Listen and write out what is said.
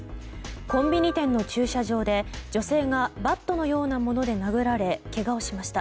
コンビニ店の駐車場で女性がバットのようなもので殴られ、けがをしました。